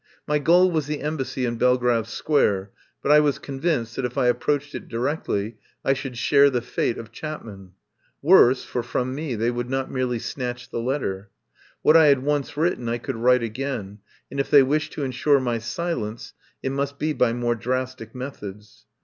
My goal was the Embassy in Belgrave Square, but I was convinced that if I ap proached it directly I should share the fate of Chapman. Worse, for from me they would not merely snatch the letter. What I had once written I could write again, and if they wished to ensure my silence it must be by more drastic methods.